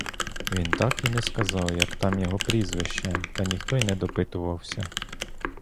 Він так і не казав, як там його прізвище, та ніхто й не допитувався.